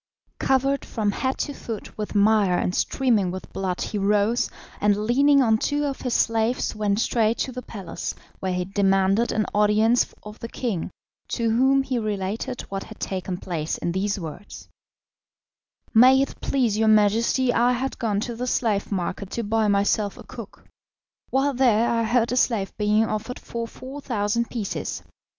Covered from head to foot with mire and streaming with blood he rose, and leaning on two of his slaves went straight to the palace, where he demanded an audience of the king, to whom he related what had taken place in these words: "May it please your Majesty, I had gone to the slave market to buy myself a cook. While there I heard a slave being offered for 4,000 pieces.